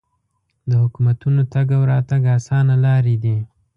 د حکومتونو تګ او راتګ اسانه لارې دي.